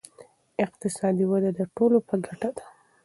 اقتصادي وده د ټولو په ګټه ده.